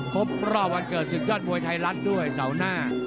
ครบรอบวันเกิดศึกยอดมวยไทยรัฐด้วยเสาหน้า